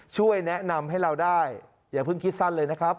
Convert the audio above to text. ช่วยแนะนำให้เราได้อย่าเพิ่งคิดสั้นเลยนะครับ